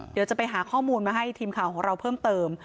เดี๋ยวจะไปหาข้อมูลมาให้ทีมข่าวของเราเพิ่มเติม